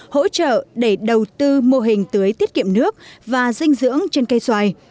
hỗ trợ để đầu tư mô hình tưới tiết kiệm nước và dinh dưỡng trên cây xoài